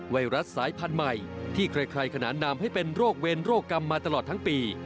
ไวรัสสายพันธุ์ใหม่ที่ใครขนานนามให้เป็นโรคเวรโรคกรรมมาตลอดทั้งปี